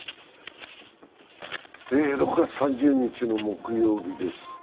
６月３０日の木曜日です。